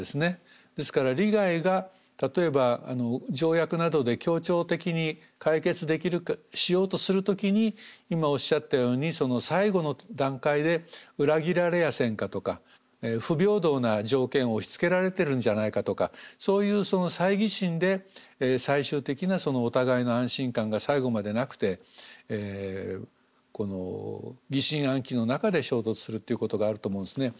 ですから利害が例えば条約などで協調的に解決しようとする時に今おっしゃったように最後の段階で裏切られやせんかとか不平等な条件を押しつけられてるんじゃないかとかそういう猜疑心で最終的なお互いの安心感が最後までなくて疑心暗鬼の中で衝突するっていうことがあると思うんですね。